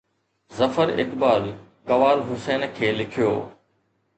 ظفر اقبال قوال حسين کي لکيو